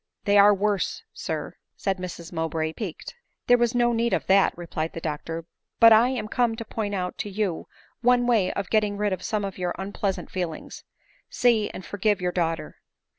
" They are worse, sir," said Mrs Mowbray, piqued. " There was no need of that" replied the doctor ;" but I am come to point out to you one way of getting rid of some of your unpleasant feelings ; see, and forgive your daughter."